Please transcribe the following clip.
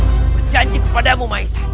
aku berjanji padamu maisat